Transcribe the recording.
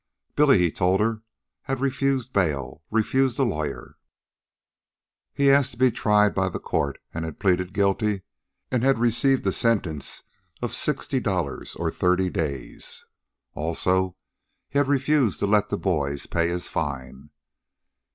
Billy, he told her, had refused bail, refused a lawyer, had asked to be tried by the Court, had pleaded guilty, and had received a sentence of sixty dollars or thirty days. Also, he had refused to let the boys pay his fine.